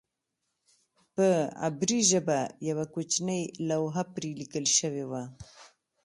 په عبري ژبه یوه کوچنۍ لوحه پرې لیکل شوې وه.